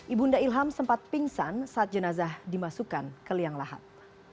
ibu nda ilham sempat pingsan saat jenazah dimasukkan ke liang lahat